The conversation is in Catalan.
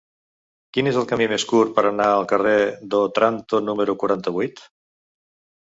Quin és el camí més curt per anar al carrer d'Òtranto número quaranta-vuit?